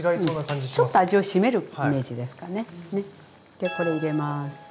でこれ入れます。